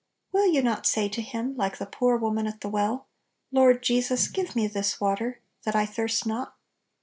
Will you not say to Him, like the poor woman at the well, " Lord Jesus, give me this water, that I thirst not